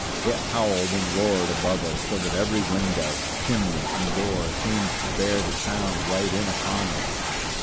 It howled and roared above us, so that every window, chimney and door, seemed to bear the sound right in upon us.